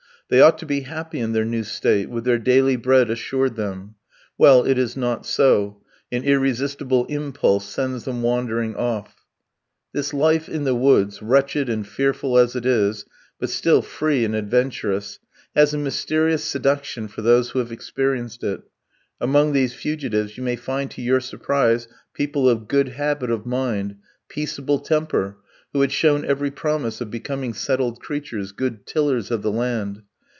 They ought to be happy in their new state, with their daily bread assured them. Well, it is not so; an irresistible impulse sends them wandering off. This life in the woods, wretched and fearful as it is, but still free and adventurous, has a mysterious seduction for those who have experienced it; among these fugitives you may find to your surprise, people of good habit of mind, peaceable temper, who had shown every promise of becoming settled creatures good tillers of the land.